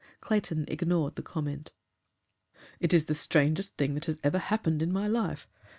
Clayton ignored the comment. "It is the strangest thing that has ever happened in my life.